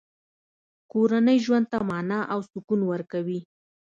کورنۍ ژوند ته مانا او سکون ورکوي.